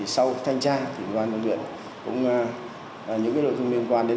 sau thanh tra ủy ban nhân dân huyện cũng có những nội dung liên quan đến